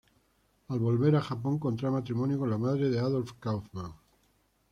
Al volver a Japón contrae matrimonio con la madre de Adolf Kaufmann.